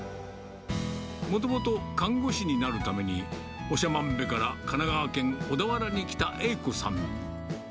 もともと看護師になるために、長万部から神奈川県小田原に来た栄子さん。